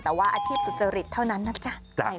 แต่ว่าอาชีพสุจริตเท่านั้นนะจ๊ะ